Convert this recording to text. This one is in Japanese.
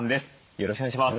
よろしくお願いします。